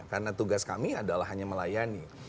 karena tugas kami adalah hanya melayani